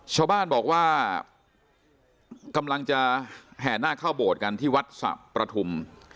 ชาวบ้านบอกว่ากำลังจะแห่หน้าเข้าโบสถ์กันที่วัดสะประทุม